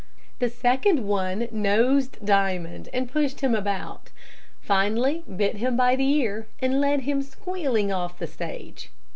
The second one nosed Diamond, and pushed him about, finally bit him by the ear, and led him squealing off the stage.